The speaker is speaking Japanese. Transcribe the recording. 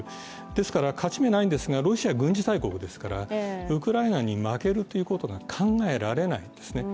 ですから勝ち目ないんですが、ロシアは軍事大国ですからウクライナに負けるということが考えられないんですね。